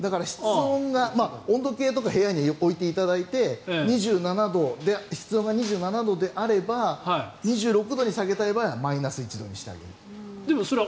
温度計とか部屋に置いていただいて室温が２７度であれば２６度に下げたい場合はマイナスにするようにしていただければ。